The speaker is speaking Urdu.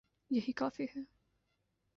یہی کافی ہے۔